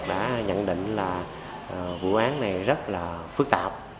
đã nhận định là vụ án này rất là phức tạp